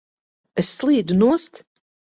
Es slīdu nost!